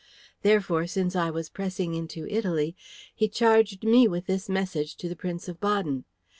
Therefore, since I was pressing into Italy, he charged me with this message to the Prince of Baden.